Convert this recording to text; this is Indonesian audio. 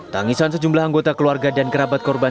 tangisan sejumlah anggota keluarga dan kerabat korban